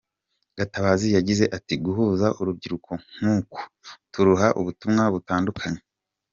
Gatabazi yagize ati "Guhuza urubyiruko nk’uku, turuha ubutumwa butandukanye.